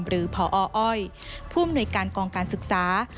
หรือพออ้อยผู้อำนวยการกองการศึกษา